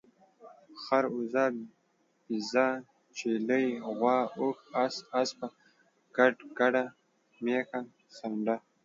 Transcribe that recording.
خر، اوزه، بيزه ، چيلۍ ، غوا، اوښ، اس، اسپه، ګډ، ګډه، ميښه، سانډه